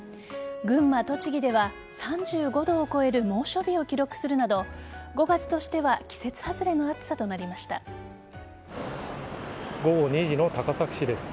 群馬、栃木では３５度を超える猛暑日を記録するなど５月としては午後２時の高崎市です。